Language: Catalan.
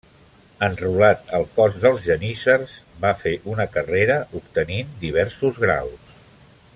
Enrolat al cos dels geníssers va fer una carrera obtenint diversos graus.